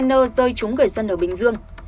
công ty rơi trúng người dân ở bình dương